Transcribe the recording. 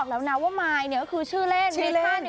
แล้วนาว่ามายเนี่ยก็คือชื่อเล่น